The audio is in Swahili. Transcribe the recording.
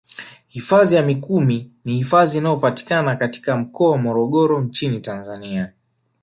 Hifadhi ya mikumi ni hifadhi inayopatikana katika mkoa wa morogoro nchini Tanzania